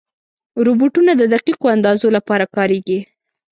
روبوټونه د دقیقو اندازو لپاره کارېږي.